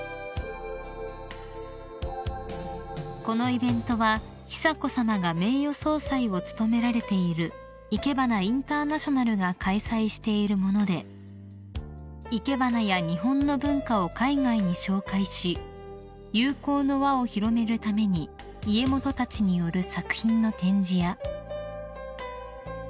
［このイベントは久子さまが名誉総裁を務められているいけばなインターナショナルが開催しているもので生け花や日本の文化を海外に紹介し友好の輪を広めるために家元たちによる作品の展示や］